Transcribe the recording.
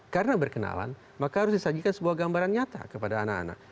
karena berkenalan maka harus disajikan sebuah gambaran nyata kepada anak anak